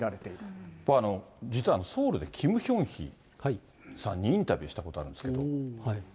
これ、実はソウルでキム・ヒョンヒさんにインタビューしたことあるんですけど。